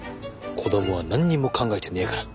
子どもは何にも考えてねえから。